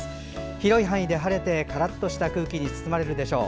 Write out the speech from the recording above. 広い範囲で晴れてカラッとした空気に包まれるでしょう。